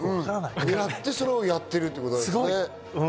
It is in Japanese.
で、それをやってるってことですね。